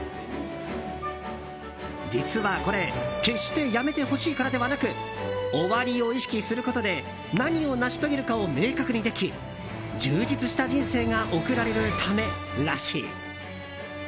実はこれ、決して辞めてほしいからではなく終わりを意識することで何を成し遂げるかを明確にでき充実した人生が送られるためらしい。